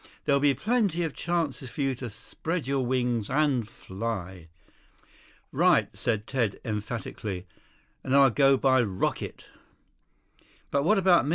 There'll be plenty of chances for you to spread your wings and fly." "Right," said Ted emphatically. "And I'll go by rocket." "But what about me?